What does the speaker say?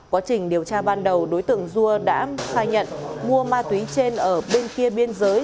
quá trình điều tra ban đầu đối tượng dua đã khai nhận mua ma túy trên ở bên kia biên giới